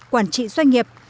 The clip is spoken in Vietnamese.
quản trị doanh nghiệp